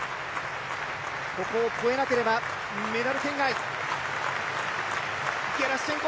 ここを越えなければメダル圏外。